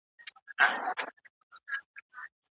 کړکۍ د شمال په واسطه لږه خلاصه شوه.